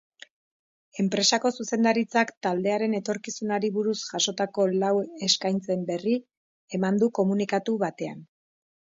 Enpresako zuzendaritzak taldearen etorkizunari buruz jasotako lau eskaintzen berri eman du komunikatu batean.